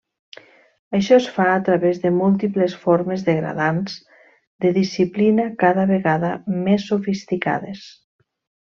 Això es fa a través de múltiples formes degradants de disciplina cada vegada més sofisticades.